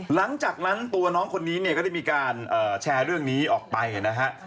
หลังจากนั้นตัวน้องคนนี้เนี่ยก็ได้มีการแชร์เรื่องนี้ออกไปนะฮะ